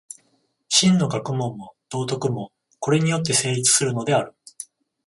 真の学問も道徳も、これによって成立するのである。